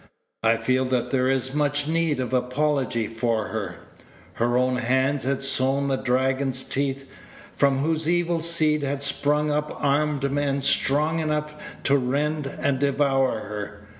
I feel that there is much need of apology for her. Her own hands had sown the dragon's teeth, from whose evil seed had sprung up armed men strong enough to rend and devour her.